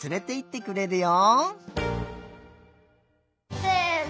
せの。